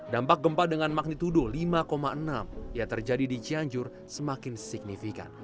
dampak gempa dengan magnitudo lima enam yang terjadi di cianjur semakin signifikan